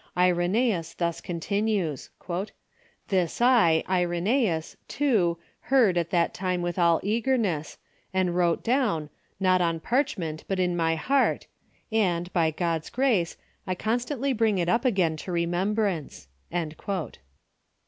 Irenieus thus continues :" This I, Irenoeus, too, heard at that time with all eagerness, and wrote down, not on parch ment, but in my heart, and, by God's grace, I constantly bring it up again to remembrance."